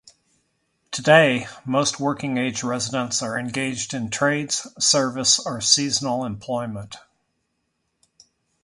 Today, most working-age residents are engaged in trades, service, or seasonal employment.